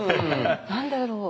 何だろう？